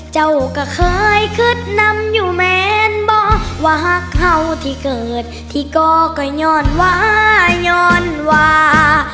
เจ้าก็เคยขึ้นนำอยู่เมนบ่ว่าหักเห่าที่เกิดที่ก็ก็ย้อนว่าย้อนว่า